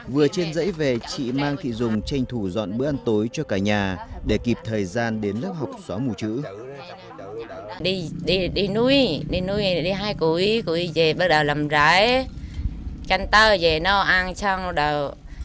vừa trên dãy về chị mang thị dùng tranh thủ dọn bữa ăn tối cho cả nhà để kịp thời gian đến lớp học xóa mù chữ